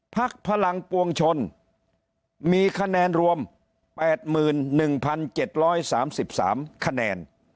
ภักดิ์พลังปวงชนมีคะแนนรวมแปดหมื่นหนึ่งพันเจ็ดร้อยสามสิบสามคะแนน